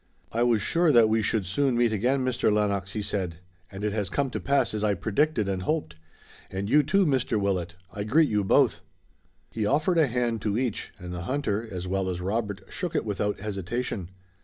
"I was sure that we should soon meet again, Mr. Lennox," he said, "and it has come to pass as I predicted and hoped. And you too, Mr. Willet! I greet you both." He offered a hand to each, and the hunter, as well as Robert, shook it without hesitation.